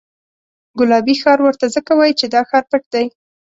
ګلابي ښار ورته ځکه وایي چې دا ښار پټ دی.